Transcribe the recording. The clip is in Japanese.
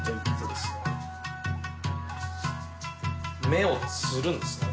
目をつるんですね。